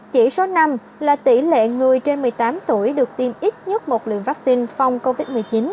chỉ số năm là tỷ lệ người trên một mươi tám tuổi được tiêm ít nhất một lượng vaccine phong covid một mươi chín